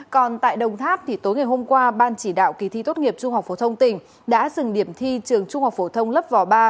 còn tại đồng tháp tối ngày hôm qua ban chỉ đạo kỳ thi tốt nghiệp trung học phổ thông tỉnh đã dừng điểm thi trường trung học phổ thông lớp vỏ ba